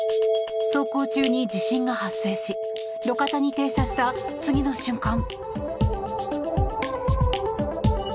走行中に地震が発生し路肩に停車した次の瞬間。